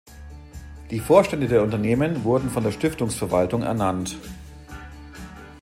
Die Vorstände der Unternehmen wurden von der Stiftungsverwaltung ernannt.